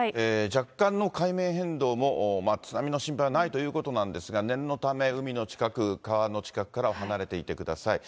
若干の海面変動も、津波の心配はないということなんですが、念のため海の近く、川の近くからは離れていてください。